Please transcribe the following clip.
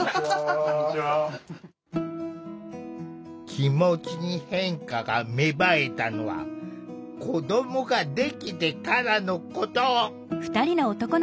気持ちに変化が芽生えたのは子どもができてからのこと。